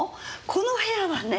この部屋はね。